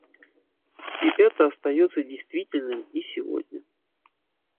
И это остается действительным и сегодня.